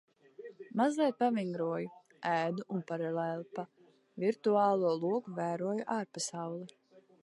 Mazliet pavingroju. Ēdu un paralēli pa virtuālo logu vēroju ārpasauli.